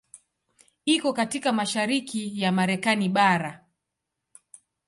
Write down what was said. Iko katika mashariki ya Marekani bara.